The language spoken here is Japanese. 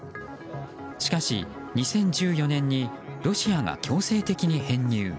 しかし、２０１４年にロシアが強制的に編入。